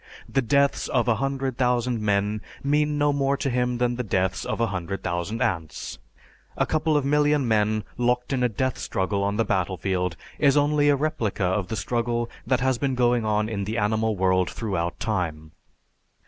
The deaths of a hundred thousand men mean no more to him than the deaths of a hundred thousand ants. A couple of million men locked in a death struggle on the battlefield is only a replica of the struggle that has been going on in the animal world throughout time.